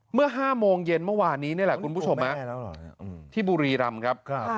เมื่อ๕โมงเย็นเมื่อวานนี้นี่แหละคุณผู้ชมที่บุรีรำครับ